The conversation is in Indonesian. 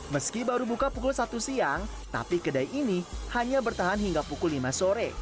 meski baru buka pukul satu siang tapi kedai ini hanya bertahan hingga pukul lima sore